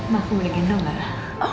ma aku boleh gendong gak